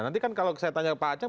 nanti kan kalau saya tanya pak aceh